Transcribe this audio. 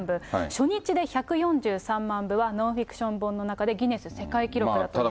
初日で１４３万部は、ノンフィクション本の中でギネス世界記録だということです。